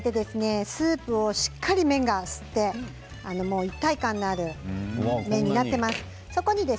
２分炊いてスープを麺がしっかり吸って、一体感のある麺になっています。